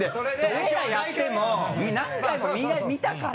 俺らやっても何回もみんな見たから。